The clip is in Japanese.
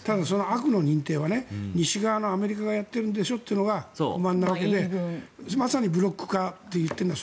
その悪の認定は西側のアメリカがやってるんでしょというのが不満なわけでまさにブロック化という。